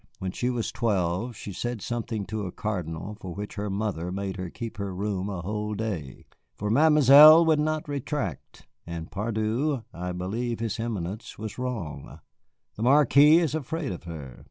When she was twelve, she said something to a cardinal for which her mother made her keep her room a whole day. For Mademoiselle would not retract, and, pardieu, I believe his Eminence was wrong. The Marquise is afraid of her.